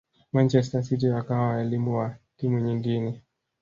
manchester city wakawa walimu wa timu nyingine